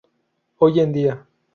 Hoy en día.